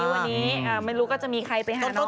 วันนี้ไม่รู้ก็จะมีใครไปหาน้อง